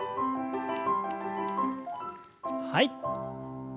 はい。